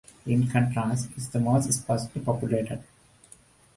In contrast, it is the most sparsely populated.